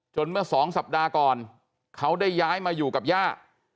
เมื่อสองสัปดาห์ก่อนเขาได้ย้ายมาอยู่กับย่า